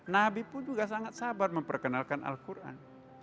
nabi pun juga sangat sabar memperkenalkan al quran